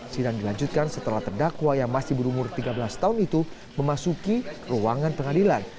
sidang dilanjutkan setelah terdakwa yang masih berumur tiga belas tahun itu memasuki ruangan pengadilan